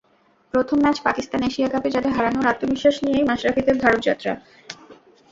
প্রথম match Pakistan, Asia কাপে যাদের হারানোর আত্মবিশ্বাস নিয়েই মাশরাফিদের ভারত-যাত্রা।